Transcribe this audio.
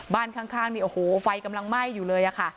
บ้านข้างนี่โอ้โหไฟกำลังไหม้อยู่เลยอะค่ะ